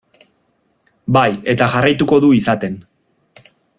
Bai, eta jarraituko du izaten.